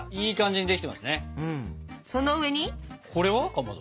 かまど。